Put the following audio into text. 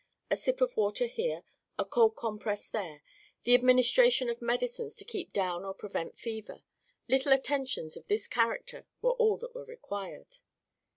A sip of water here, a cold compress there, the administration of medicines to keep down or prevent fever, little attentions of this character were all that were required.